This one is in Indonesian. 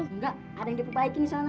enggak ada yang diperbaiki disana